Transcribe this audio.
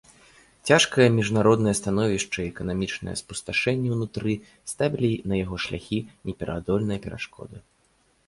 Цяжкае міжнароднае становішча і эканамічнае спусташэнне ўнутры ставілі на яго шляхі непераадольныя перашкоды.